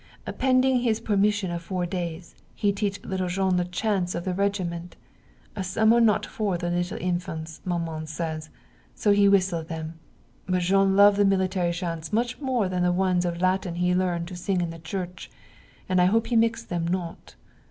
Pending his permission of four days, he teach little Jean the chants of the regiment. Some are not for the little infants, Maman says, so he whistle them. But Jean love the military chants much more than the ones of latin he learn to sing in the church, and I hope he mix them not.